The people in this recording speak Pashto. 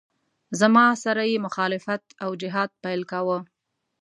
زما سره یې مخالفت او جهاد پیل کاوه.